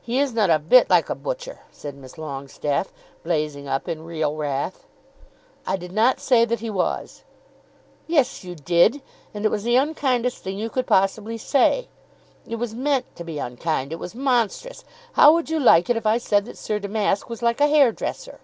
"He is not a bit like a butcher," said Miss Longestaffe, blazing up in real wrath. "I did not say that he was." "Yes, you did; and it was the unkindest thing you could possibly say. It was meant to be unkind. It was monstrous. How would you like it if I said that Sir Damask was like a hair dresser?"